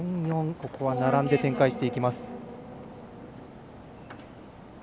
ここは並んで展開していきます。